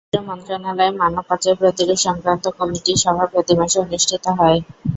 স্বরাষ্ট্র মন্ত্রণালয়ে মানব পাচার প্রতিরোধসংক্রান্ত কমিটির সভা প্রতি মাসে অনুষ্ঠিত হয়।